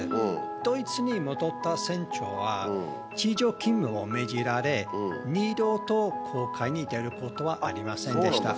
ドイツに戻った船長は、地上勤務を命じられ、二度と航海に出ることはありませんでした。